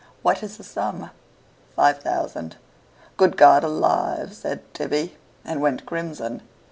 "What is the sum?" "Five thousand." "Good God alive!" said Tibby, and went crimson.